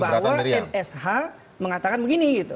bahwa msh mengatakan begini gitu